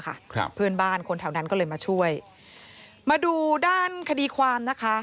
ครับเพื่อนบ้านคนแถวนั้นก็เลยมาช่วยมาดูด้านคดีความนะคะ